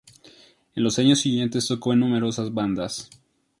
En los años siguientes tocó en numerosas bandas.